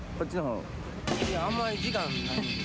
あんまり時間ないんで。